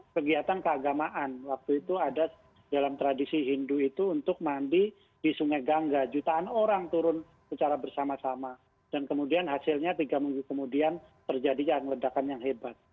kegiatan keagamaan waktu itu ada dalam tradisi hindu itu untuk mandi di sungai gangga jutaan orang turun secara bersama sama dan kemudian hasilnya tiga minggu kemudian terjadinya ledakan yang hebat